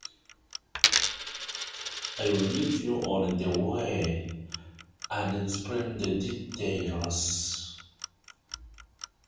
I will meet you on the way and explain the details.